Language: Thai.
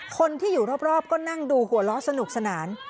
คนที่อยู่รอบก็นั่งดูหัวล้อสนุกสนาน